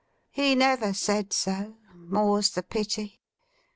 He never said so; more's the pity!